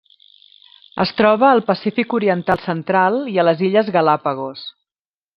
Es troba al Pacífic oriental central i a les Illes Galápagos.